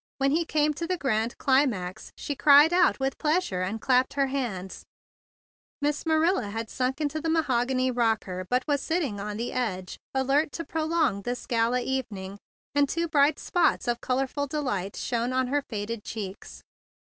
When he came to the grand climax, she cried out with pleasure and clapped her hands. Miss 64 THE BIG BLUE SOLDIER Marilla had sunk into the mahogany rocker, but was sitting on the edge, alert to prolong this gala evening; and two bright spots of colorful delight shone on her faded cheeks.